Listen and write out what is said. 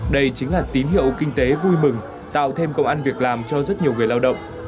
đây chính là tín hiệu kinh tế vui mơ